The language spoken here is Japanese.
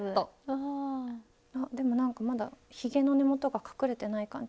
あでもなんかまだひげの根元が隠れてない感じ。